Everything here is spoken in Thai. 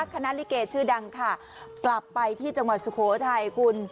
คณะลิเกชื่อดังค่ะกลับไปที่จังหวัดสุโขทัยคุณ